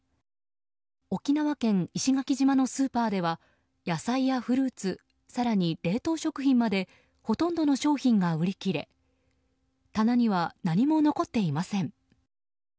沖縄県石垣島のスーパーでは野菜やフルーツ更に冷凍食品までほとんどの商品が売り切れ棚には何も残っていません。